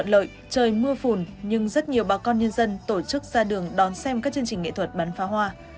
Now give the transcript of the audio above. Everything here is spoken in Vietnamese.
trời mưa phùn nhưng rất nhiều bà con nhân dân tổ chức ra đường đón xem các chương trình nghệ thuật bán phá hoa